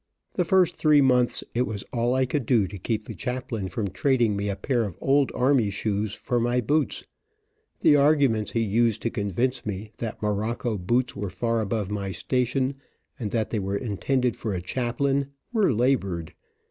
The first three months it was all I could do to keep the chaplain from trading me a pair of old army shoes for my boots. The arguments he used to convince me that mo . rocco boots were far above my station, and that they were intended for a chaplain, were labored.